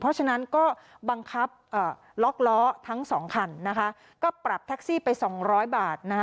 เพราะฉะนั้นก็บังคับล็อกล้อทั้งสองคันนะคะก็ปรับแท็กซี่ไปสองร้อยบาทนะคะ